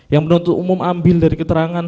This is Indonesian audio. yang penuntut umum ambil dari keterangan